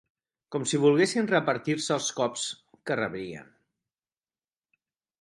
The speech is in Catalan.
Com si volguessin repartir-se'ls cops que rebrien